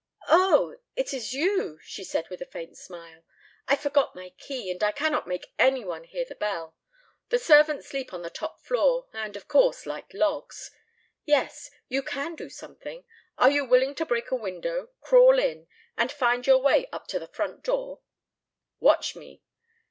"Oh, it is you," she said with a faint smile. "I forgot my key and I cannot make any one hear the bell. The servants sleep on the top floor, and of course like logs. Yes, you can do something. Are you willing to break a window, crawl in, and find your way up to the front door?" "Watch me!"